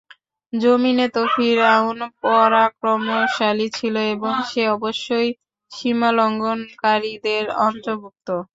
যমীনে তো ফিরআউন পরাক্রমশালী ছিল এবং সে অবশ্যই সীমালংঘনকারীদের অন্তর্ভুক্ত।